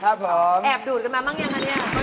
ครับค่ะแอบดูดมาบ้างหรือยังคนนี้